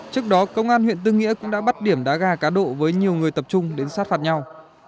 trước đó công an huyện tư nghĩa cũng đã bắt điểm đá gà cá độ với nhiều người tập trung đến sát phạt nhau